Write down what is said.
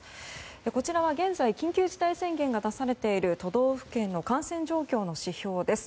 こちらは現在緊急事態宣言が出されている都道府県の感染状況の指標です。